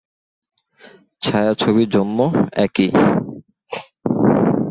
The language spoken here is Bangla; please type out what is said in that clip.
ছায়াছবি জন্য একই।